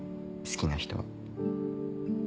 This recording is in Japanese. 好きな人は。